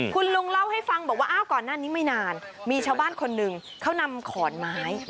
คุณลุงเล่าให้ฟังบอกว่าอ้าวก่อนหน้านี้ไม่นานมีชาวบ้านคนหนึ่งเขานำขอนไม้